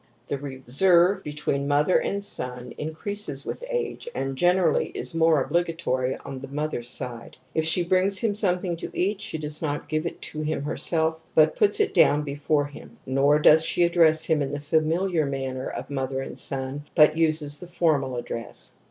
The reserve between mother and son increases with age and generally is more obligatory on the mother's side. If she brings him something to eat she does not give it to him herself but puts it down before him, nor does she address him in the familiar manner of mother and son, but uses the formal address.